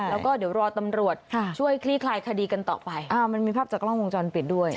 แล้วก็เดี๋ยวรอตำรวจช่วยคลี่คลายคดีกันต่อไปมันมีภาพจากกล้องวงจรปิดด้วย